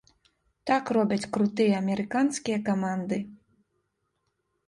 Так робяць крутыя амерыканскія каманды.